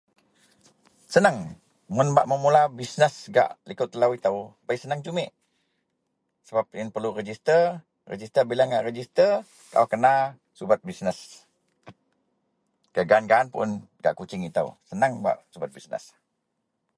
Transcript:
Seneng mun bak memula bisnes gak likou telou itou bei seneng jumik sebap ayen perlu register, bila ngak register kaau kena subet bisnes. Gak gaan-gaan un gak Kuching itou seneng bak subet bisnes